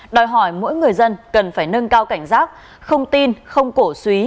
đòi hỏi mỗi người dân cần phải nâng cao cảnh giác không tin không cổ suý